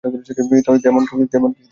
তেমন কেউ যেন না জানে।